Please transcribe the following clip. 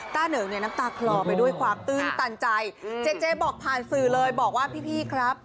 เหนิงเนี่ยน้ำตาคลอไปด้วยความตื้นตันใจเจเจบอกผ่านสื่อเลยบอกว่าพี่ครับ